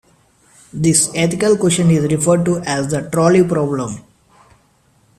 This ethical question is referred to as the trolley problem.